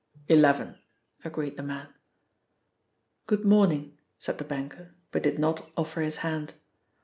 "Eleven," agreed the man. "Good morning," said the banker, but did not offer his hand.